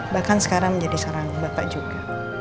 bahkan sekarang menjadi saran bapak juga